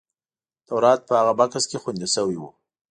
تورات په هغه بکس کې خوندي شوی و.